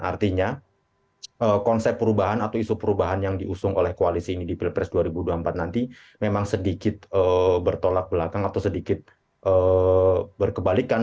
artinya konsep perubahan atau isu perubahan yang diusung oleh koalisi ini di pilpres dua ribu dua puluh empat nanti memang sedikit bertolak belakang atau sedikit berkebalikan